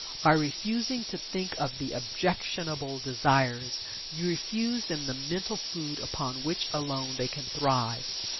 By refusing to think of the objectionable desires you refuse them the mental food upon which alone they can thrive.